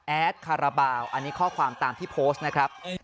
คาราบาลอันนี้ข้อความตามที่โพสต์นะครับ